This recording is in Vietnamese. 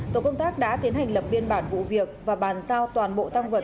tổ công tác đã tiến hành lập biên bản vụ việc và bàn giao toàn bộ tăng vật